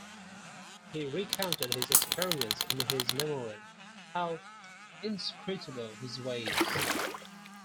He recounted his experience in his memoir, How Inscrutable His Ways!